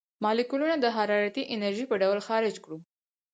مالیکولونه د حرارتي انرژۍ په ډول خارج کړو.